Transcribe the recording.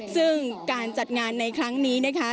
ซึ่งการจัดงานในครั้งนี้นะคะ